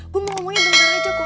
gue mau ngomongin beneran aja kok